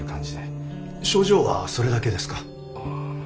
症状はそれだけですか？